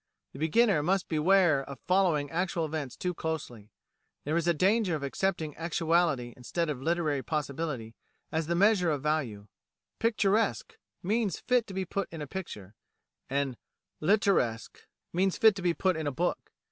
The beginner must beware of following actual events too closely. There is a danger of accepting actuality instead of literary possibility as the measure of value. Picturesque means fit to be put in a picture, and literatesque means fit to be put in a book.